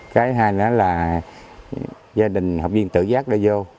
cái hai nữa là gia đình học viên tự giác đưa vô